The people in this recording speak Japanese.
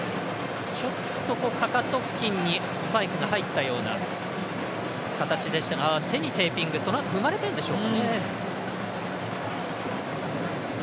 ちょっとかかと付近にスパイクが入ったような形でしたが手にテーピング踏まれたんでしょうかね。